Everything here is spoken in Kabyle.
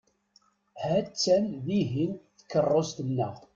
Ha-tt-an dihin tkeṛṛust-nneɣ.